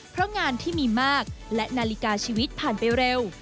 เพราะงานที่มีมากและนาฬิกาชีวิตผ่านไปเร็ว